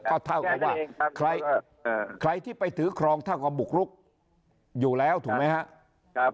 ก็เท่ากับว่าใครที่ไปถือครองเท่ากับบุกรุกอยู่แล้วถูกไหมครับ